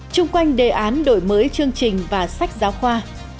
trung quanh đề án đổi mới chương trình và sách giáo khoa